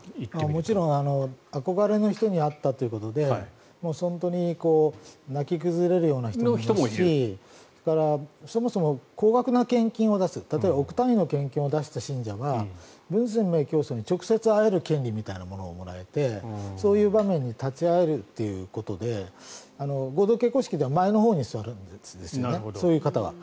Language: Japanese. もちろん憧れの人に会ったということで本当に泣き崩れるような人もいますしそれからそもそも高額な献金を出す例えば億単位の献金を出した信者はムン・ソンミョン教祖に直接会える権利みたいなものがもらえてそういう場面に立ち会えるということで合同結婚式では前のほうに座るんですそういう方は。